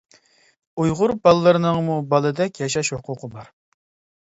ئۇيغۇر بالىلىرىنىڭمۇ بالىدەك ياشاش ھوقۇقى بار.